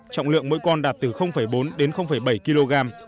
trọng lượng mỗi con đạt từ bốn đến bảy kg